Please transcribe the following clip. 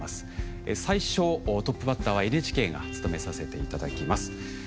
最初トップバッターはＮＨＫが務めさせていただきます。